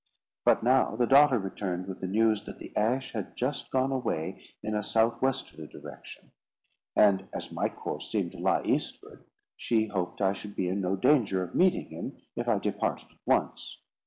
But now the daughter returned with the news, that the Ash had just gone away in a south westerly direction; and, as my course seemed to lie eastward, she hoped I should be in no danger of meeting him if I departed at once.